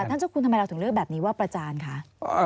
ท่านเจ้าคุณทำไมเราถึงเลือกแบบนี้ว่าประจานคะ